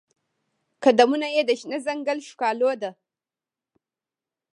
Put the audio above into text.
قدمونه یې د شنه ځنګل ښکالو ده